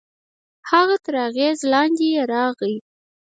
هغه تر اغېز لاندې يې راغی.